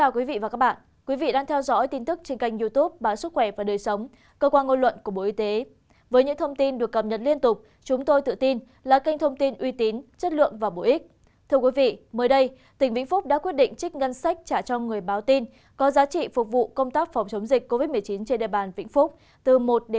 các bạn hãy đăng ký kênh để ủng hộ kênh của chúng mình nhé